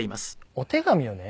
お手紙をね